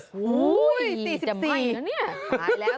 โอ้จะไหมละเนี่ย